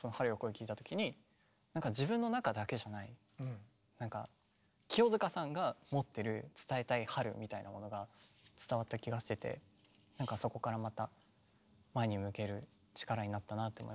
聴いたときになんか自分の中だけじゃない清塚さんが持ってる伝えたい春みたいなものが伝わった気がしててなんかそこからまた前に向ける力になったなって思います。